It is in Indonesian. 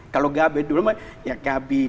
kalau gabe dulu ya gabe